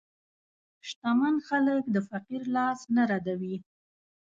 شتمن خلک د فقیر لاس نه ردوي.